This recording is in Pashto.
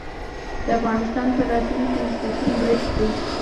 د افغانستان په راتلونکې مستقیم برید دی